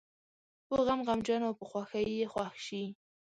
په غم غمجن او په خوښۍ یې خوښ شي.